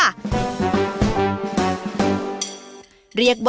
และรับโทร